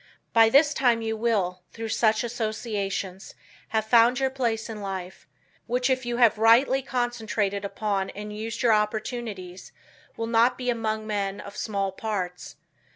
By this time you will, through such associations, have found your place in life which, if you have rightly concentrated upon and used your opportunities, will not be among men of small parts.